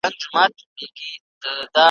پرسینه د خپل اسمان مي لمر لیدلی ځلېدلی ,